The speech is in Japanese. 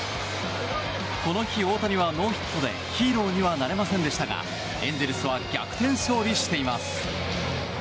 この日、大谷はノーヒットでヒーローにはなれませんでしたがエンゼルスは逆転勝利しています。